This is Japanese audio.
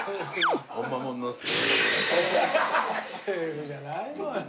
セーフじゃないのよ